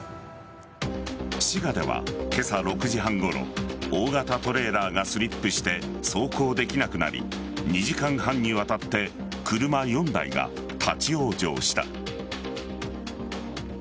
滋賀では今朝６時半ごろ大型トレーラーがスリップして走行できなくなり２時間半にわたって車４台が立ち往生した。